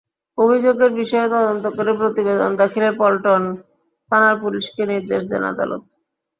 অভিযোগের বিষয়ে তদন্ত করে প্রতিবেদন দাখিলে পল্টন থানার পুলিশকে নির্দেশ দেন আদালত।